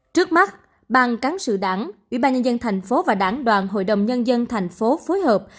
trước mắt ban cán sự đảng ủy ban nhân dân thành phố và đảng đoàn hội đồng nhân dân thành phố phối hợp